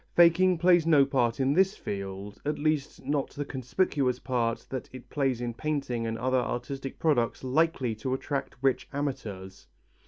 Faking plays no part in this field, at least not the conspicuous part that it plays in painting and other artistic products likely to attract rich amateurs.